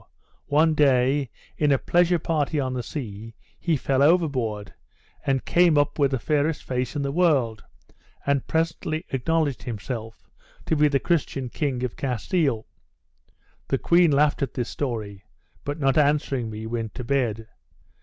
one day in a pleasure party on the sea, he fell overboard, and came up with the fairest face in the world, and presently acknowledged himself to be the Christian King of Castile.' The queen laughed at this story, but not answering me, went to bed.